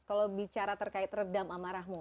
kalau bicara terkait redam amarahmu